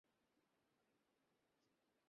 তুমি আর ট্রিনিটির দেখা পাবে না!